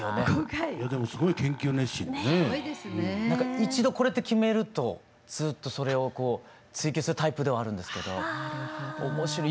一度これって決めるとずっとそれを追究するタイプではあるんですけど面白い。